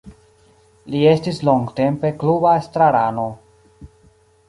Li estis longtempe kluba estrarano.